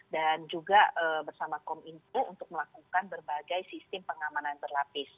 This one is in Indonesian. dan juga bersama kom inpu untuk melakukan berbagai sistem pengamanan berlapis